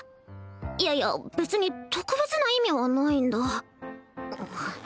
いやいや別に特別な意味はないんだ